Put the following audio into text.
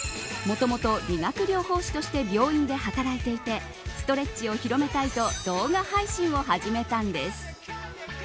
もともと理学療法士として病院で働いていてストレッチを広めたいと動画配信を始めたんです。